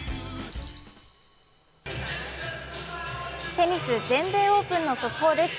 テニス・全米オープンの速報です。